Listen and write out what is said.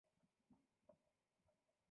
我同事怀孕之后，每天都吃两个人的份。